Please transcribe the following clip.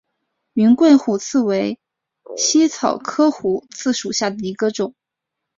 云桂虎刺为茜草科虎刺属下的一个种。